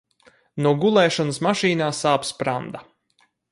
No gulēšanas mašīnā sāp spranda.